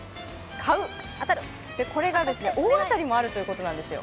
これが大当たりもあるということなんですよ。